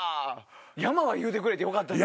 「山」は言うてくれてよかったね。